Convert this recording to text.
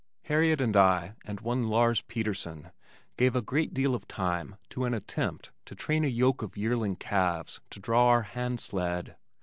Harriet and I and one Lars Peterson gave a great deal of time to an attempt to train a yoke of yearling calves to draw our handsled.